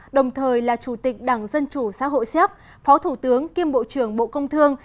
đồng thời là chủ tịch đảng dân chủ xã hội xếp phó thủ tướng kiêm bộ trưởng bộ công thương